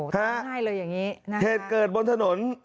แทบเกิดบนถนน